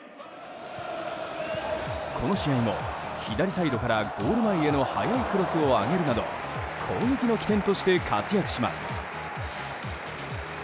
この試合も左サイドからゴール前への速いクロスを上げるなど攻撃の起点として活躍します。